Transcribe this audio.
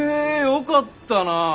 よかったな！